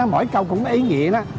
mỗi câu cũng có ý nghĩa